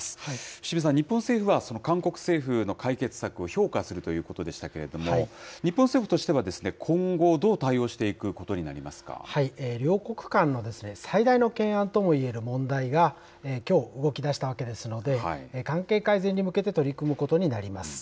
伏見さん、日本政府は韓国政府の解決策を評価するということでしたけれども、日本政府としては今後、どう対応していくことになり両国間の最大の懸案ともいえる問題がきょう、動きだしたわけですので、関係改善に向けて取り組むことになります。